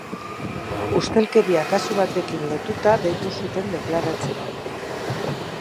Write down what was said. Ustelkeria kasu batekin lotuta deitu zuten deklaratzera.